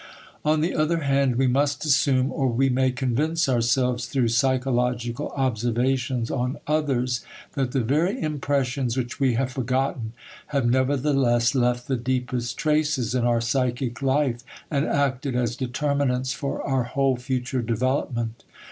On the other hand we must assume, or we may convince ourselves through psychological observations on others, that the very impressions which we have forgotten have nevertheless left the deepest traces in our psychic life, and acted as determinants for our whole future development.